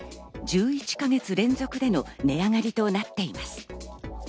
１１か月連続での値上がりとなっています。